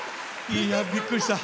いや、びっくりした。